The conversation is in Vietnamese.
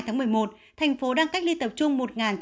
hai tháng một mươi một thành phố đang cách ly tập trung một